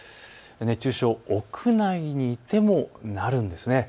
熱中症、屋内にいてもなるんです。